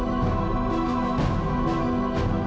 pak aku mau pergi